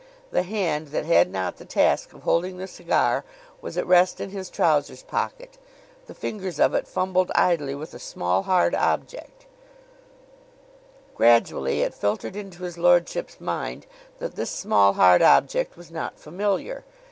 The hand that had not the task of holding the cigar was at rest in his trousers pocket. The fingers of it fumbled idly with a small, hard object. Gradually it filtered into his lordship's mind that this small, hard object was not familiar.